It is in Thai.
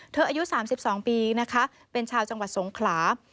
อายุ๓๒ปีนะคะเป็นชาวจังหวัดสงขลา